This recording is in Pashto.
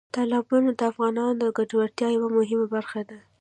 تالابونه د افغانانو د ګټورتیا یوه مهمه برخه ده.